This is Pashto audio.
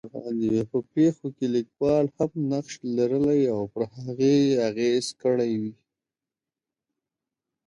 په پېښو کې لیکوال هم نقش لرلی او پر هغې یې اغېز کړی وي.